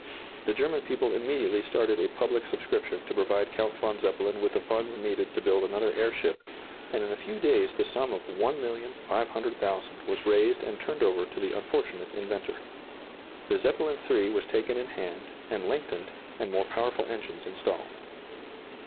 The German people immediately started a public subscription to provide Count von Zeppelin with the funds needed to build another airship, and in a few days the sum of $1,500,000 was raised and turned over to the unfortunate inventor. The "Zeppelin III" was taken in hand, and lengthened, and more powerful engines installed.